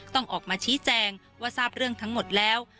ต้องออกมาชี้แจงว่าทราบเรื่องทั้งหมดแล้ว